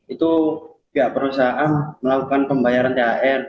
itu pihak perusahaan melakukan pembayaran thr